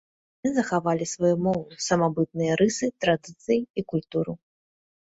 Яны захавалі сваю мову, самабытныя рысы, традыцыі і культуру.